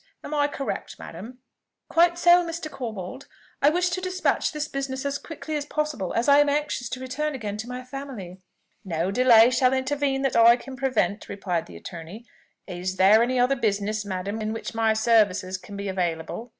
Am I correct, madam?" "Quite so, Mr. Corbold. I wish to despatch this business as quickly as possible, as I am anxious to return again to my family." "No delay shall intervene that I can prevent," replied the attorney. "Is there any other business, madam, in which my services can be available?"